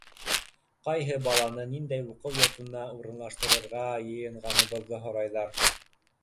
Ҡайһы баланы ниндәй уҡыу йортона урынлаштырырға йыйынғаныбыҙҙы һорайҙар.